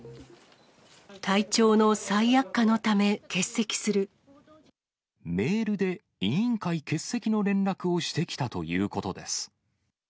体調の再悪化のため、欠席すメールで委員会欠席の連絡をしてきたということです。